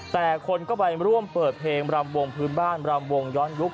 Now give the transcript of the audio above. แต่คนก็ไปร่วมเปิดเพลงรำวงพื้นบ้านรำวงย้อนยุค